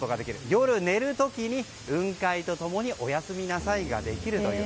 夜、寝る時に雲海と共におやすみなさいができるという。